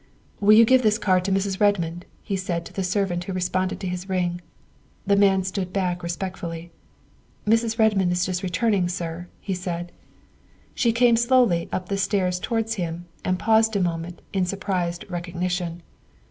'' Will you give this card to Mrs. Redmond ?" he said to the servant who responded to his ring. The man stood back respectfully. '' Mrs. Redmond is just returning, sir, '' he said. She came slowly up the steps towards him and paused a moment in surprised recognition.